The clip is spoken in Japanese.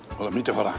ほら。